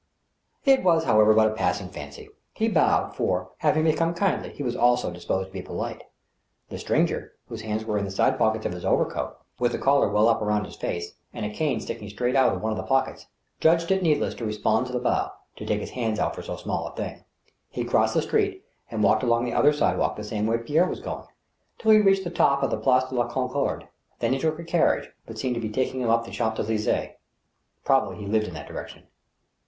It was, however, but a passing fancy. He bowed, for, having become kindly, he was also disposed to be polite. The stranger, whose hands were in the side pockets of his over POkTRAIT OF A LADY. 37 coat, with the collar well up around his face, and a cane sticking' straight up out of one of the pockets, judged it needless to respond to the bow — ^to take his hands out for so small a thing. He crossed the street and walked along the other sidewalk the same way Pierre was going, till he reached the top of the Place de la Concorde. Then he took a carriage, which seemed to be taking him up the Champs Elys^es. Probably he lived in that direction.